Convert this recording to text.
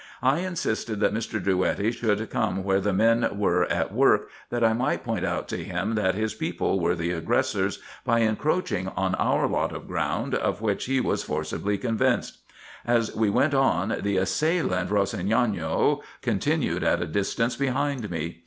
I insisted that Mr. Drouetti should come where the men were at work, that I might point out to him that his people were the aggressors, by encroaching on our lot of ground, of which he was forcibly convinced. As we went on, the assailant Rossignano con tinued at a distance behind me.